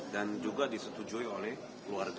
dan juga disetujui oleh keluarga